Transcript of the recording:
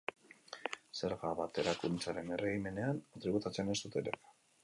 Zerga-baterakuntzaren erregimenean tributatzen ez dutenak.